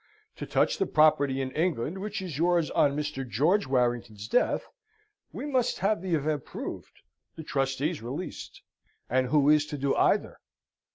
To touch the property in England which is yours on Mr. George Warrington's death, we must have the event proved, the trustees released: and who is to do either?